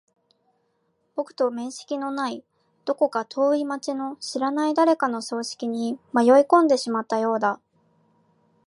僕と面識のない、どこか遠い街の知らない誰かの葬式に迷い込んでしまったようだ。